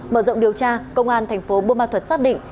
mở rộng điều tra công an thành phố bô ma thuật xác định